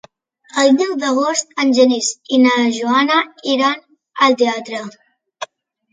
El deu d'agost en Genís i na Joana iran al teatre.